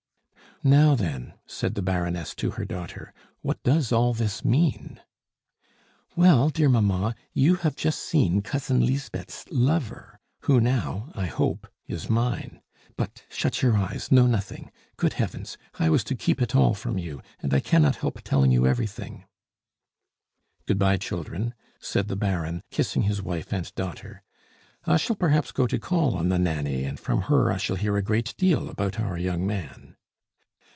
"Now then," said the Baroness to her daughter, "what does all this mean?" "Well, dear mamma, you have just seen Cousin Lisbeth's lover, who now, I hope, is mine. But shut your eyes, know nothing. Good Heavens! I was to keep it all from you, and I cannot help telling you everything " "Good bye, children!" said the Baron, kissing his wife and daughter; "I shall perhaps go to call on the Nanny, and from her I shall hear a great deal about our young man."